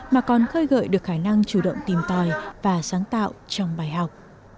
mà còn khơi gợi được khả năng chủ động tìm tòi và sáng tạo trong bài học